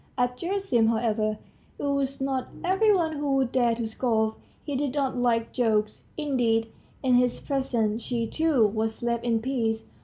At Gerasim, however, it was not every one who would dare to scoff; he did not like jokes; indeed, in his presence, she, too, was left in peace.